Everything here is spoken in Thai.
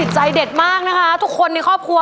ใจเด็ดมากนะคะทุกคนในครอบครัว